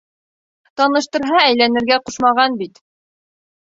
Таныштырһа, әйләнергә ҡушмаған бит!..